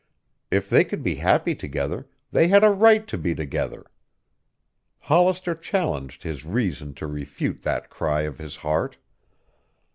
If they could be happy together, they had a right to be together. Hollister challenged his reason to refute that cry of his heart.